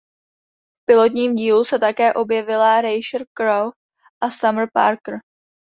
V pilotním dílu se také objevila Rachel Crow a Summer Parker.